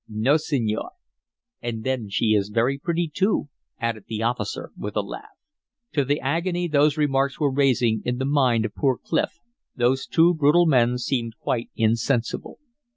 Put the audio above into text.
"No, senor." "And then she is very pretty, too," added the officer, with a laugh. To the agony those remarks were raising in the mind of poor Clif those two brutal men seemed quite insensible.